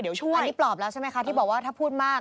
อันนี้ปลอบแล้วใช่ไหมคะที่บอกว่าถ้าพูดมาก